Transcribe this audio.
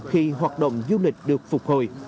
khi hoạt động du lịch được phục hồi